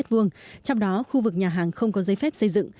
trong đó khu vực nhà hàng không có giấy phép xây dựng